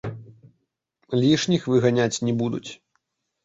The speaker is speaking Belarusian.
Лішніх выганяць не будуць.